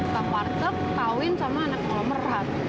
tamartek kawin sama anak nomerat